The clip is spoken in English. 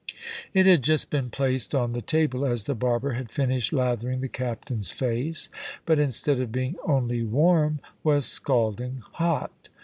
It had just been placed on the table as the barber had finished lathering the captain's face, but instead of being only warm was scalding hot.